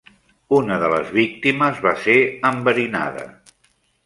Una de les víctimes va ser enverinada.